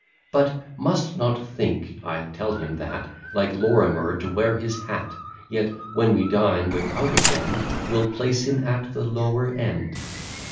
But must not think, I tell him that, Like Lorimer to wear his hat; Yet, when we dine without a friend, We'll place him at the lower end.